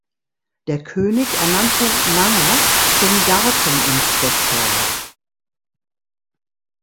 Der König ernannte Manger zum Garteninspektor.